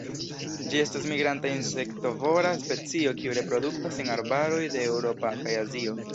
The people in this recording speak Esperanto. Ĝi estas migranta insektovora specio kiu reproduktas en arbaroj de Eŭropo kaj Azio.